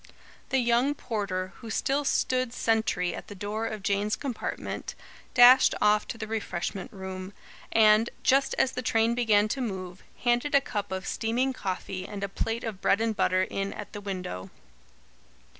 The young porter, who still stood sentry at the door of Jane's compartment, dashed off to the refreshment room; and, just as the train began to move, handed a cup of steaming coffee and a plate of bread and butter in at the window.